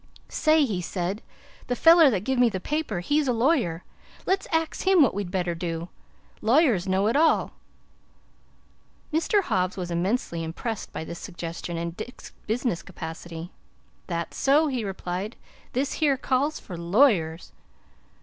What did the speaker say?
"Say," he said, "the feller that give me the paper, he's a lawyer. Let's ax him what we'd better do. Lawyers knows it all." Mr. Hobbs was immensely impressed by this suggestion and Dick's business capacity. "That's so!" he replied. "This here calls for lawyers."